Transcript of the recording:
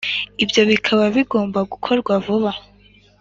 ibyo bikaba bigomba gukorwa vuba